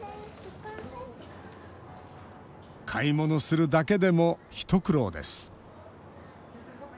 買い物するだけでも一苦労です